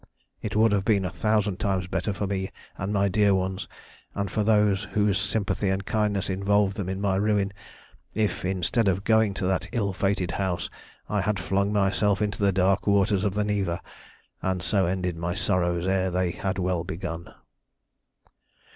It would have been a thousand times better for me and my dear ones, and for those whose sympathy and kindness involved them in my ruin, if, instead of going to that ill fated house, I had flung myself into the dark waters of the Neva, and so ended my sorrows ere they had well begun.